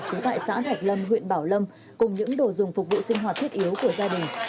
trú tại xã thạch lâm huyện bảo lâm cùng những đồ dùng phục vụ sinh hoạt thiết yếu của gia đình